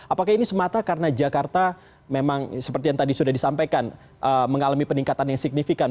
apakah ini semata karena jakarta memang seperti yang tadi sudah disampaikan mengalami peningkatan yang signifikan